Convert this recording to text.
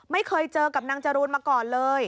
ไม่เคยเจอกับนางจรูนมาก่อนเลย